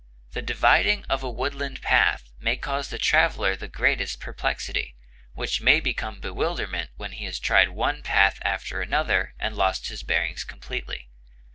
The dividing of a woodland path may cause the traveler the greatest perplexity, which may become bewilderment when he has tried one path after another and lost his bearings completely.